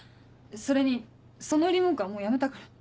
それにその売り文句はもうやめたから。